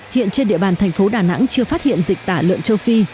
hiện trên địa bàn thành phố đà nẵng chưa phát hiện dịch tả lợn châu phi